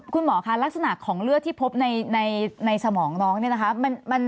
คุณหมอคะลักษณะของเลือดที่พบในสมองน้องเนี่ยนะคะ